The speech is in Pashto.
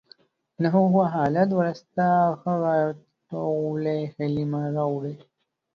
له هغه حالت وروسته، هغه ټولې هیلې ما راوړې